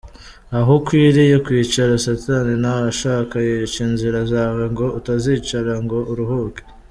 Aho ukwiriye kwicara, satani ntahashaka, yica inzira zawe ngo utazicara ngo uruhuke.